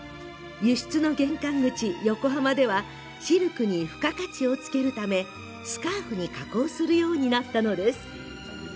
輸出の玄関口、横浜ではシルクに付加価値をつけるためスカーフに加工するようになったのです。